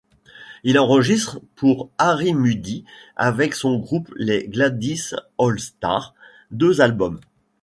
Il enregistre pour Harry Mudie avec son groupe les Gladdy's All Stars deux albums.